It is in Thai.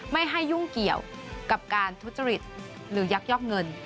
ไม่ให้ยุ่งเกี่ยวกับการทุจริตหรือยักยอกเงิน